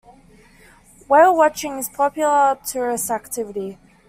Whale watching is a popular tourist activity.